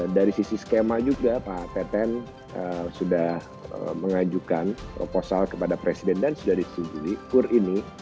dari sisi skema juga pak peten sudah mengajukan proposal kepada presiden dan sudari sudikur ini